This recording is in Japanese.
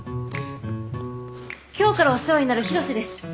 今日からお世話になる広瀬です。